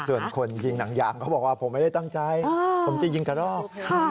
ส่วนคนยิงหนังยางเขาบอกว่าผมไม่ได้ตั้งใจผมจะยิงกระดอก